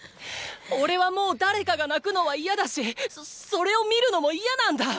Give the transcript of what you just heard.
おれはもう誰かが泣くのは嫌だしそっそれを見るのも嫌なんだ！